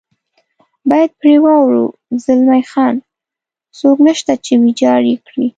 باید پرې واوړو، زلمی خان: څوک نشته چې ویجاړ یې کړي.